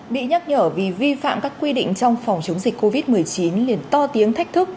bị nhắc nhở vì vi phạm các quy định trong phòng chống dịch covid một mươi chín liền to tiếng thách thức